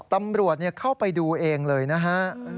ตำรวจเข้าไปดูเองเลยนะฮะ